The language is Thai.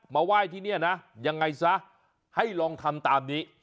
มาไหว้ที่นี่นะยังไงซะให้ลองทำตามนี้